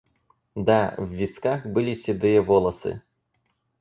Да, в висках были седые волосы.